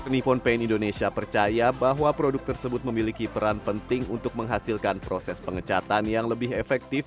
nippon paint indonesia percaya bahwa produk tersebut memiliki peran penting untuk menghasilkan proses pengecatan yang lebih efektif